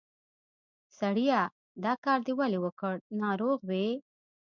سړیه! دا کار دې ولې وکړ؟ ناروغ وې؟